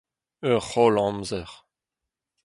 Ur c'holl amzer.